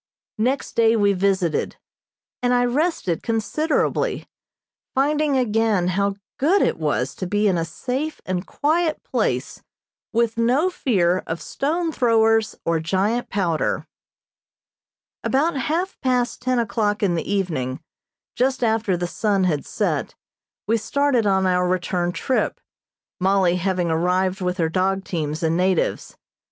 Next day we visited, and I rested considerably, finding again how good it was to be in a safe and quiet place with no fear of stone throwers or giant powder. About half past ten o'clock in the evening, just after the sun had set, we started on our return trip, Mollie having arrived with her dog teams and natives.